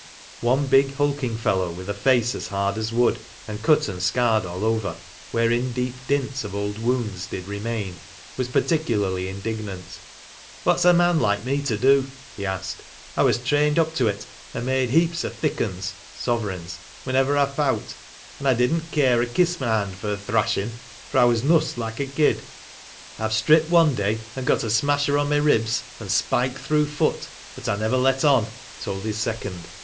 One big hulking fellow, with a face as hard as wood, and cut and scarred all over,^ " wherein deep dints of old wounds did remain," was particularly indignant. " What's a man like me to do ?" he asked. "I was trained up to it and made heaps of thick 'uns (sovereigns) whenever I fowt, and I didn't care a kiss my hand for a thrashm', for I was nussed like a kid. I've stripped one day and got a smasher on my rib3 and spiked thro' foot, but Ineverleton (told his second.)